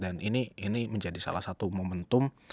dan ini menjadi salah satu momentum